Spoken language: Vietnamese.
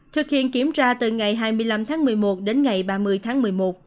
thực hiện kiểm tra từ ngày hai mươi năm tháng một mươi một đến ngày ba mươi tháng một mươi một